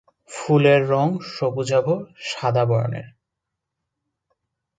ফুলের রং সবুজাভ সাদা বর্ণের।